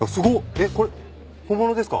えっこれ本物ですか？